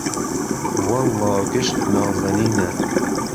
وهڵڵا گشت نازهنینه